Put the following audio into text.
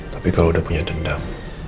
tapi kalau udah punya dendam